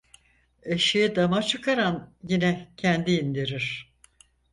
Eşeği dama çıkaran yine kendi indirir.